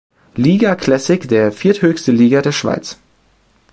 Liga Classic, der vierthöchsten Liga der Schweiz.